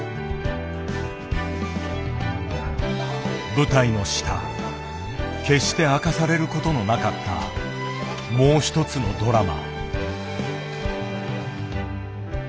舞台の下決して明かされることのなかったもう一つのドラマ。